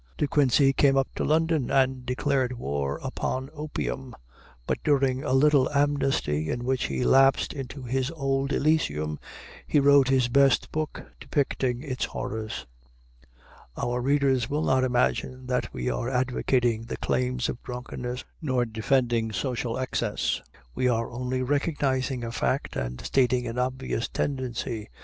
De Quincey came up to London and declared war upon opium; but during a little amnesty, in which he lapsed into his old elysium, he wrote his best book depicting its horrors. Our readers will not imagine that we are advocating the claims of drunkenness nor defending social excess. We are only recognizing a fact and stating an obvious tendency.